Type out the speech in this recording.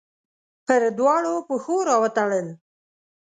پر دواړو پښو راوتړل